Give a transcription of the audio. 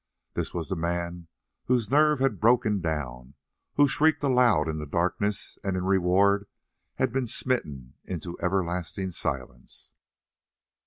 This was the man whose nerve had broken down, who shrieked aloud in the darkness, and in reward had been smitten into everlasting silence.